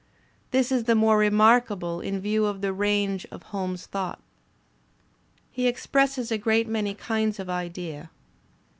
This is the more remarkable in view of the range of Holmes's thought. He expresses a great many kinds of idea.